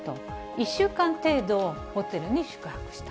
１週間程度、ホテルに宿泊した。